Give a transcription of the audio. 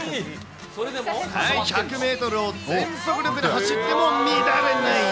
はい、１００メートルを全速力で走っても乱れない。